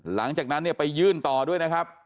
หลังจากนั้นเนี่ยไปยื่นต่อด้วยนะครับ